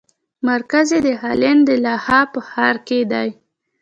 مرکز یې د هالنډ د لاهه په ښار کې دی.